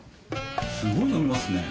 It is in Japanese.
すごい飲みますね。